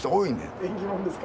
・縁起物ですか？